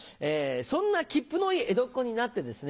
そんなきっぷのいい江戸っ子になってですね